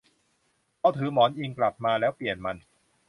เขาถือหมอนอิงกลับมาแล้วเปลี่ยนมัน